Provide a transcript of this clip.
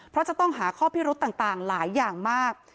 เพราะจะต้องหาข้อพิรุธต่างหลายอย่างมาก